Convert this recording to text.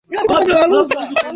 Ulikuwa yote nikiyapitia .